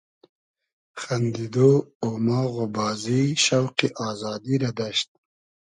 خئندیدۉ , اوماغ و بازی , شۆقی آزادی رۂ دئشت